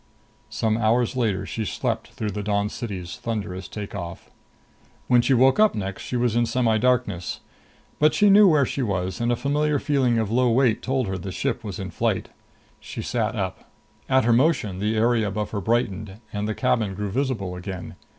Some hours later she slept through the Dawn City's thunderous takeoff. When she woke up next she was in semidarkness. But she knew where she was and a familiar feeling of low weight told her the ship was in flight. She sat up. At her motion, the area about her brightened, and the cabin grew visible again.